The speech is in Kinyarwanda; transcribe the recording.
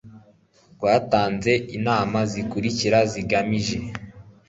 rwatanze inama zikurikira zigamije